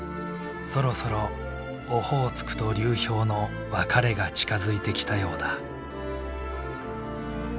そろそろオホーツクと流氷の別れが近づいてきたようだ。